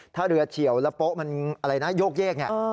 ถ้าเรือเฉียวแล้วโป๊อโยกเยียก